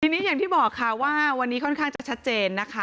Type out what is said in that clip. ทีนี้อย่างที่บอกค่ะว่าวันนี้ค่อนข้างจะชัดเจนนะคะ